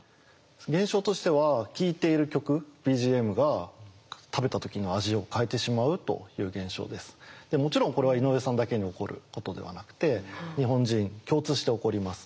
現象としてはもちろんこれは井上さんだけに起こることではなくて日本人共通して起こります。